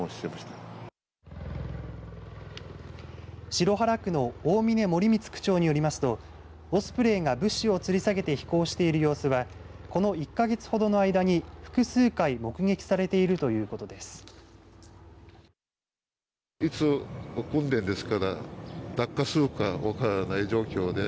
城原区の大嶺盛光区長によりますとオスプレイが物資をつり下げて飛行している様子はこの１か月ほどの間に複数回目撃されているということです。